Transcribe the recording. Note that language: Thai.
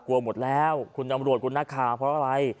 กลัวหมดแล้วคุณอำรวจคุณนาคาเพราะอะไร